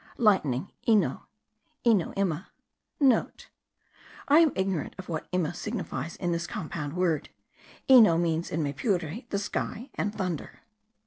Lightning : Eno : Eno ima.* (* I am ignorant of what ima signifies in this compound word. Eno means in Maypure the sky and thunder.